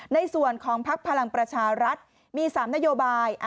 ในส่วนของพักพลังประชารัฐมี๓นโยบาย